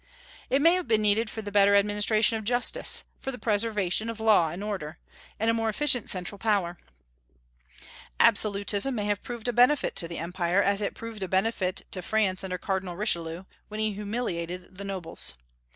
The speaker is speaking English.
It may have been needed for the better administration of justice, for the preservation of law and order, and a more efficient central power. Absolutism may have proved a benefit to the Empire, as it proved a benefit to France under Cardinal Richelieu, when he humiliated the nobles.